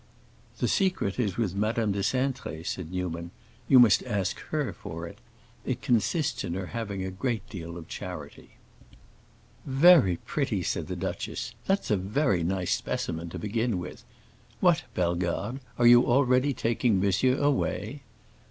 "The secret is with Madame de Cintré," said Newman. "You must ask her for it. It consists in her having a great deal of charity." "Very pretty!" said the duchess. "That's a very nice specimen, to begin with. What, Bellegarde, are you already taking monsieur away?"